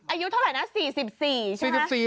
อายุเท่าไหร่นะ๔๔ใช่ไหม